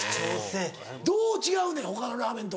どう違うねん他のラーメンと。